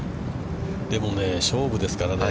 でもね、勝負ですからね。